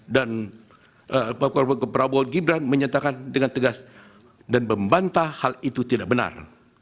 dan prabowo gibran menyatakan dengan tegas dan membantah hal itu tidak benar